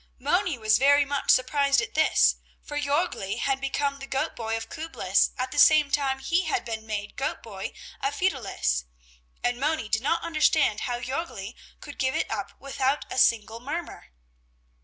Moni was very much surprised at this, for Jörgli had become the goat boy of Küblis at the same time he had been made goat boy of Fideris, and Moni did not understand how Jörgli could give it up without a single murmur.